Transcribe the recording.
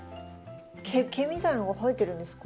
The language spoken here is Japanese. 毛みたいのが生えてるんですか？